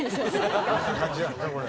そんな感じだよねこれ。